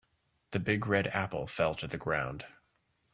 The big red apple fell to the ground.